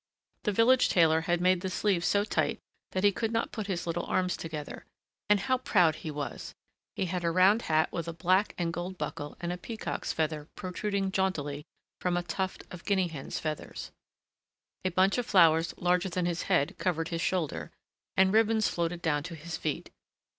The village tailor had made the sleeves so tight that he could not put his little arms together. And how proud he was! He had a round hat with a black and gold buckle and a peacock's feather protruding jauntily from a tuft of Guinea hen's feathers. A bunch of flowers larger than his head covered his shoulder, and ribbons floated down to his feet.